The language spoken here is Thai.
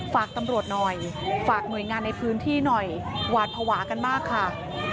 ฝากตำรวจหน่อยฝากหน่วยงานในพื้นที่หน่อยหวาดภาวะกันมากค่ะ